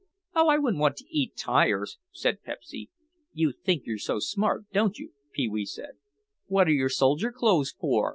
"Oh, I wouldn't want to eat tires," said Pepsy. "You think you're smart, don't you?" Pee wee said. "What are your soldier clothes for?"